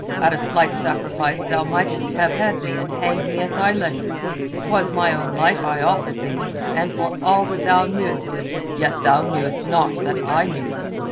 At a slight sacrifice thou mightest have had me and hanged me at thy leisure. 'Twas my own life I offered thee, and for all that thou knewest it, yet thou knewest not that I knew."